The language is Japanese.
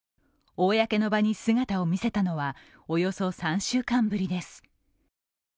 公の場に姿をみせたのはおよそ３週間ぶりです。